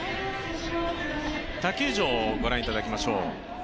他球場をご覧いただきましょう。